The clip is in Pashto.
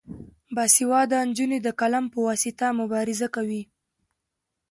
باسواده نجونې د قلم په واسطه مبارزه کوي.